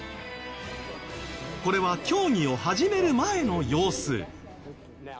これは協議を始める前の様子。